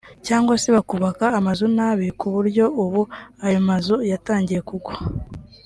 cyangwa se bakubaka amazu nabi ku buryo ubu ayo mazu yatangiye kugwa